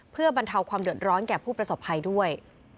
เพื่อบรรเทาความเดือดร้อนแก่ผู้ประสบภัยด้วย